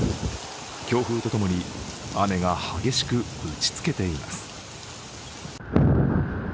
強風とともに雨が激しく打ちつけています。